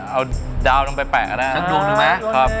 เอาดาวลงไปแปะก็ได้